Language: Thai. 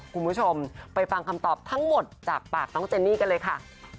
คุณผู้ชมไปฟังคำตอบทั้งหมดจากปากน้องเจนนี่กันเลยค่ะ